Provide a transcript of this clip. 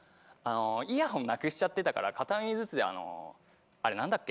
イヤホンなくしちゃってたから片耳ずつであのあれなんだっけ？